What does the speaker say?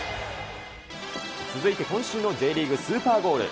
続いて、今週のＪリーグスーパーゴール。